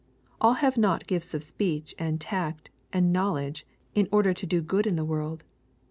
All have not gifts of speech, and tact, and knowledge, in order to do good in the world.